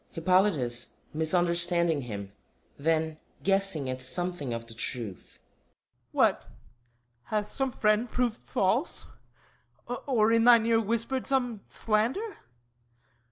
HIPPOLYTUS (misunderstanding him; then guessing at something of the truth) What? Hath some friend proved false? Or in thine ear Whispered some slander?